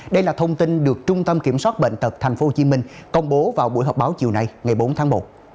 đây là thông tin được trung tâm kiểm soát bệnh tật tp hcm công bố vào buổi họp báo chiều nay ngày bốn tháng một